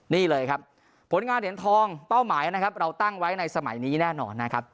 นี่เลยครับผลงานเหรียญทองเป้าหมายนะครับเราตั้งไว้ในสมัยนี้แน่นอนนะครับ